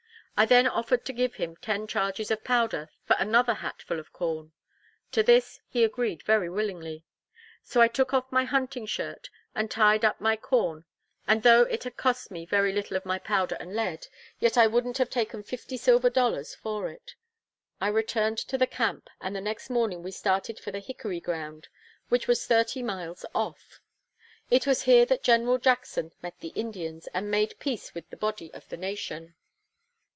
I then offered to give him ten charges of powder for another hat full of corn. To this he agreed very willingly. So I took off my hunting shirt, and tied up my corn; and though it had cost me very little of my powder and lead, yet I wouldn't have taken fifty silver dollars for it. I returned to the camp, and the next morning we started for the Hickory Ground, which was thirty miles off. It was here that General Jackson met the Indians, and made peace with the body of the nation.